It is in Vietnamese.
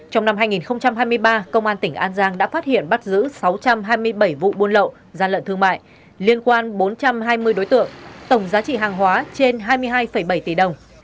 trong năm hai nghìn hai mươi ba công an tỉnh an giang đã phát hiện bắt giữ sáu trăm hai mươi bảy vụ buôn lậu gian lận thương mại liên quan bốn trăm hai mươi đối tượng tổng giá trị hàng hóa trên hai mươi hai bảy tỷ đồng